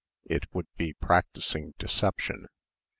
It would be practising deception....